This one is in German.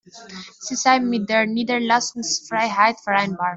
Sie sei mit der Niederlassungsfreiheit vereinbar.